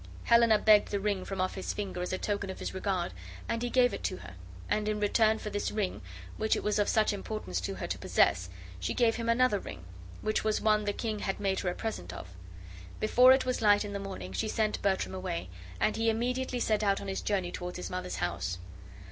Helena begged the ring from off his finger as a token of his regard, and he gave it to her; and in return for this ring, which it was of such importance to her to possess, she gave him another ring, which was one the king had made her a present of. Before it was light in the morning she sent Bertram away; and he immediately set out on his journey toward his mother's house.